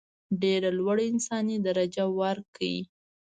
ډېره لوړه انساني درجه ورکړي.